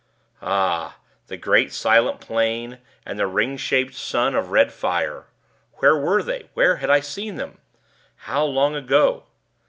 Ah! the great, silent Plain, and the ring shaped sun of red fire. Where were they? Where had I seen them? How long ago?